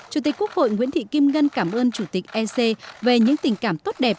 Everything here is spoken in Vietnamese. chủ tịch quốc hội nguyễn thị kim ngân cảm ơn chủ tịch ec về những tình cảm tốt đẹp